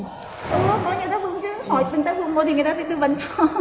ừ bao nhiêu ta dùng chứ hỏi từng ta dùng bao nhiêu người ta sẽ tư vấn cho